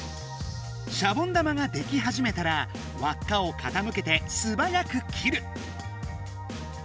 シャボン玉が出来はじめたらわっかをかたむけてすばやく切る。